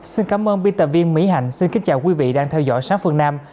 xin cảm ơn biên tập viên mỹ hạnh xin kính chào quý vị đang theo dõi sát phương nam